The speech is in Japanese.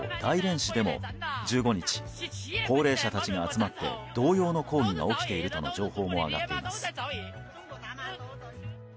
市でも１５日、高齢者たちが集まって同様の抗議が起きているとの情報も上がっています。